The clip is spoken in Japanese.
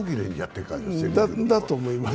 だと思います。